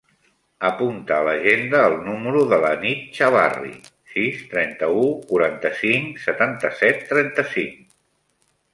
Apunta a l'agenda el número de la Nit Chavarri: sis, trenta-u, quaranta-cinc, setanta-set, trenta-cinc.